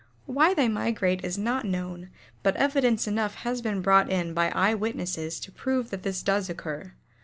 ] Why they migrate is not known but evidence enough has been brought in by eye witnesses to prove that this does occur.